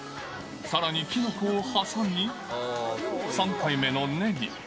さらにきのこを挟み、３回目のネギ。